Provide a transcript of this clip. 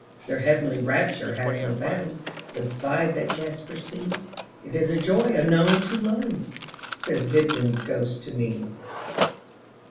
Their heavenly rapture has no boundsBeside that jasper sea; It is a joy unknown to Lowndes,"Says Dibdin's ghost to me.